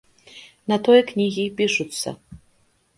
На тое кнігі і пішуцца.